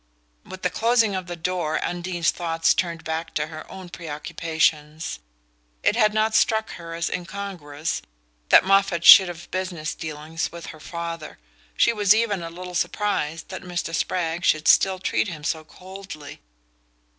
With the closing of the door Undine's thoughts turned back to her own preoccupations. It had not struck her as incongruous that Moffatt should have business dealings with her father: she was even a little surprised that Mr. Spragg should still treat him so coldly.